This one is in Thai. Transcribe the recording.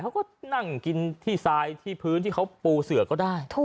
เขาก็นั่งกินที่ทรายที่พื้นที่เขาปูเสือก็ได้